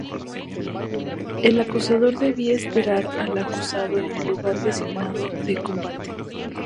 El acusador debía esperar al acusado en el lugar designado de combate.